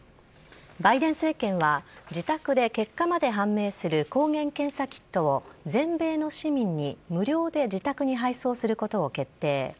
バイデン政権は、自宅で結果まで判明する抗原検査キットを、全米の市民に無料で自宅に配送することを決定。